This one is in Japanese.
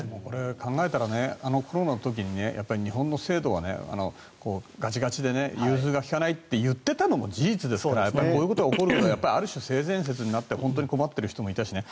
考えたらコロナの時に日本の制度はガチガチで融通が利かないと言っていたのも事実ですからこういうことが起こることはある種、性善説になって本当に困っている人もいたしね。